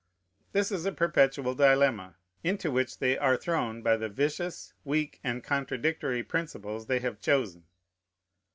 This is a perpetual dilemma, into which they are thrown by the vicious, weak, and contradictory principles they have chosen.